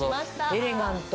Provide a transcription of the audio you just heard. エレガント。